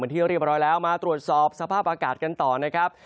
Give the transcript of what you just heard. ที่เรียบร้อยแล้วมาตรวจสอบสภาพอากาศกันต่อนะครับ